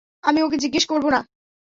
আমি ওকে জিজ্ঞেস করব না।